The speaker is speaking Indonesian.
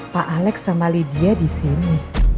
pak alex sama lydia disini